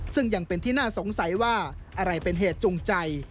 ซึ่งยังเป็นที่น่าสงสัยว่าอะไรเป็นเหตุจูงใจ